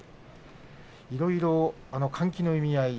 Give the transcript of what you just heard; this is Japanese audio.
いろいろ換気の意味合い